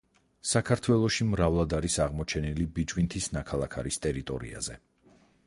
საქართველოში მრავლად არის აღმოჩენილი ბიჭვინთის ნაქალაქარის ტერიტორიაზე.